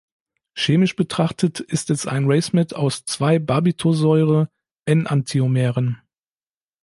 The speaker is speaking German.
Chemisch betrachtet ist es ein Racemat aus zwei Barbitursäure-Enantiomeren.